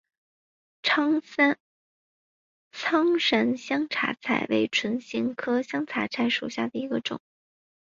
苍山香茶菜为唇形科香茶菜属下的一个种。